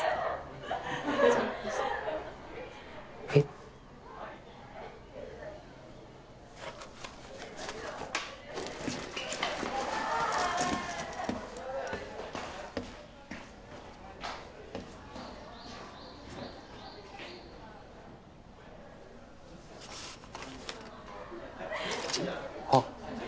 えっ？あっ。